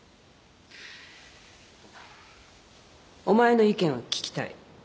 お前の意見を聞きたい。